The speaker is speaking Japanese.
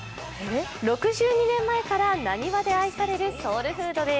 ６２年前から浪速で愛されるソウルフードです。